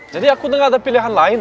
jadi aku udah gak ada pilihan lain